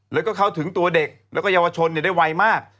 แล้วก็เข้าถึงตัวเด็กแล้วก็เยาวชนได้ไวมาก